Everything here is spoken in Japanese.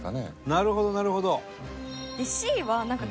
なるほどなるほど。